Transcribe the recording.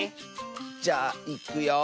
じゃあいくよ。